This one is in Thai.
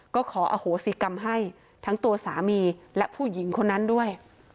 ก็ขออโหสิกรรมให้ทั้งตัวสามีและผู้หญิงคนนั้นด้วย